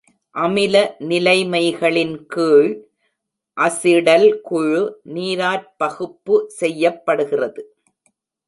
அமில நிலைமைகளின் கீழ் அசிடல் குழு நீராற்பகுப்பு செய்யப்படுகிறது.